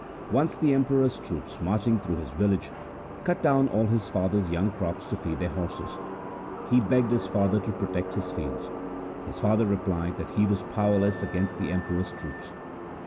Once the Emperor's troops marching through his village cut down all his father's young crops to feed their horses. He begged his father to protect his fields. His father replied that he was powerless against the Emperor's troops.